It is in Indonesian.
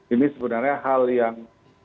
ini sebenarnya hal yang